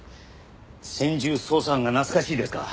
専従捜査班が懐かしいですか？